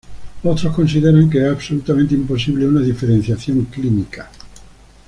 Otros consideran que es absolutamente imposible una diferenciación clínica.